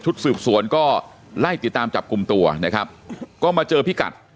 สืบสวนก็ไล่ติดตามจับกลุ่มตัวนะครับก็มาเจอพิกัด